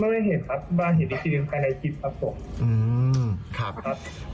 ไม่ได้เห็นครับมาเห็นอีกทีหนึ่งใกล้ในคลิปครับผม